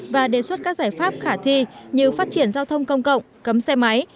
và đề xuất các giải pháp khả thi như phát triển giao thông công cộng cấm xe máy